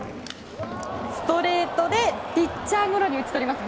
ストレートでピッチャーゴロに打ち取ります。